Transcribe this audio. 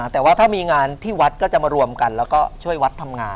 แต่ว่าถ้ามีงานที่วัดก็จะมารวมกันแล้วก็ช่วยวัดทำงาน